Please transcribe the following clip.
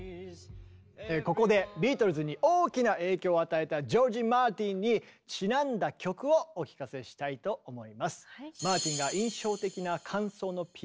ここでビートルズに大きな影響を与えたジョージ・マーティンにちなんだ曲をお聴かせしたいと思います。